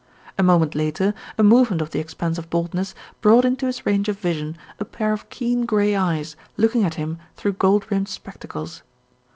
A moment later a movement of the expanse of baldness brought into his range of vision a pair of keen, grey eyes looking at him through gold rimmed spectacles.